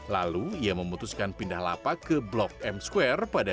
lalu ia memutuskan pindah lapak ke blok m square pada dua ribu dua puluh